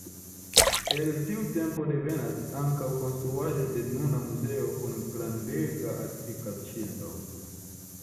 El tiu tempo devenas ankaŭ konstruaĵo de nuna muzeo kun grandega atika ŝildo.